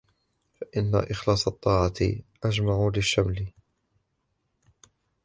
فَإِنَّ إخْلَاصَ الطَّاعَةِ أَجْمَعُ لِلشَّمْلِ